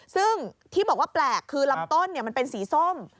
ซึ่งที่บอกว่าแปลกคือลำต้นมันเป็นสีส้ม